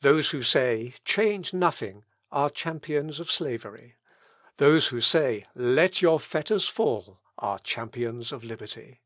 Those who say "Change nothing!" are champions of slavery. Those who say "Let your fetters fall!" are champions of liberty.